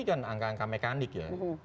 ini kan angka angka mekanik ya